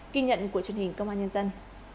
kinh nhận của truyền hình công an nhân dân